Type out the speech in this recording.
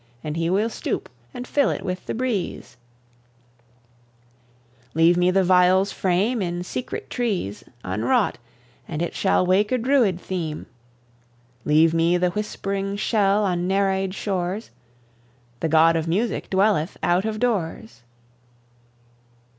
And he will stoop and fill it with the breeze; Leave me the viol's frame in secret trees, Unwrought, and it shall wake a druid theme; Leave me the whispering shell on Nereid shores. The God of Music dwelleth out of doors.